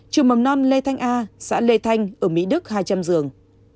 trường mầm non lê thanh a xã lê thanh ở mỹ đức hai trăm linh giường